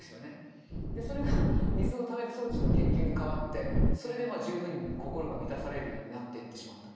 それが水をためる装置の研究に変わってそれで十分に心が満たされるようになっていってしまった。